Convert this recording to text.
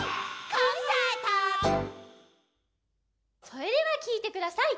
それではきいてください。